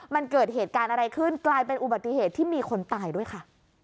มันเกิดเหตุการณ์อะไรขึ้นกลายเป็นอุบัติเหตุที่มีคนตายด้วยค่ะ